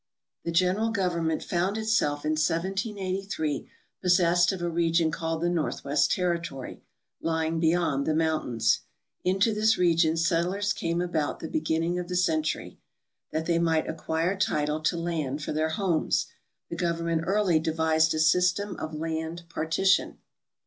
The general government found itself in 1783 possessed of a re gion called the Northwest Territory, lying beyond the mountains. Into this region settlers came about the beginning of the century. That they might acquire title to land for their homes, the gov GEOGRAPHICAL RESEARCH IN THE UNITED STATES 287 ernment early devised a system of land partition.